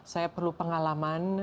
saya perlu pengalaman